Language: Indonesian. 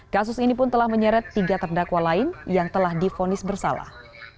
kasus ini pun telah menyeret tiga terdakwa lain yang telah difonis bersalah